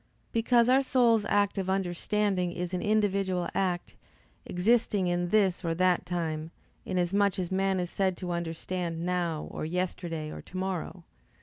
Because our soul's act of understanding is an individual act, existing in this or that time, inasmuch as a man is said to understand now, or yesterday, or tomorrow.